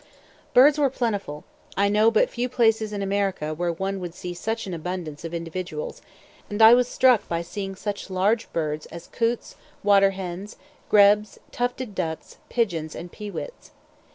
Birds were plentiful; I know but few places in America where one would see such an abundance of individuals, and I was struck by seeing such large birds as coots, water hens, grebes, tufted ducks, pigeons, and peewits.